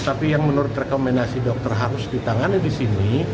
tapi yang menurut rekomendasi dokter harus ditangani di sini